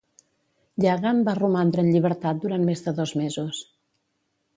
Yagan va romandre en llibertat durant més de dos mesos.